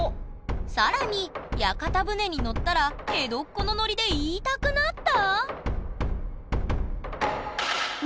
更に屋形船に乗ったら江戸っ子のノリで言いたくなった？